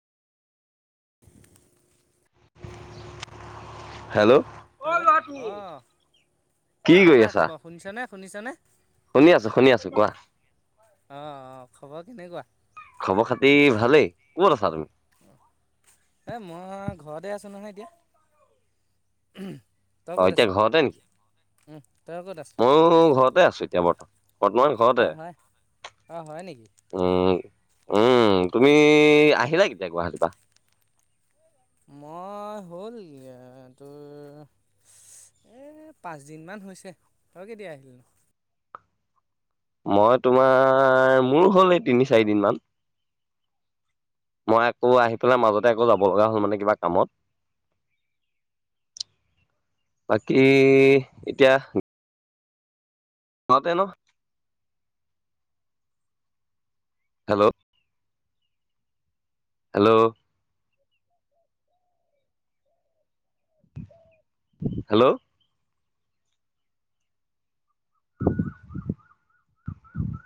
Hello. Hello অঁ কি কৰি কেনেকুৱা আছা? খবৰ শুনিছেনে শুনিছেনে। শুনি আছোঁ শুনি আছোঁ কোৱা। অঁ অঁ খবৰ কেনেকুৱা। খবৰ-খাতি ভালেই ক'ত আছা তুমি? এই মই ঘৰতে আছো নহয় এতিয়া উমহ। অ এতিয়া ঘৰতে নি তই ক'ত আছ ময়ো ঘৰতে আছো এতিয়া বৰ্তমান [unintelligible] অ মই অহ হয় নিকি উম অঁহ উম তুমি অঁহ। আহিলা কেতিয়া গুৱাহাটীৰ পৰা? মই হ'ল য়া তোৰ এ পাঁচদিন মান হৈছে তই কেতিয়া আহিলি নো? মই তোমাৰ মোৰ হ'ল এই তিনি চাৰি দিন মান। মই আকৌ আহি পেলাই মাজতে আকৌ যাব লগা হ'ল মানে কিবা কামত। [inaudible] বাকী ইতিয়া মাতো অলপ হেলৌ। হেলৌ। হেলৌ।